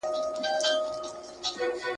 توکل د زړه ارامي راولي.